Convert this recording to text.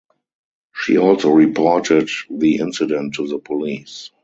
She also reported the incident to the police.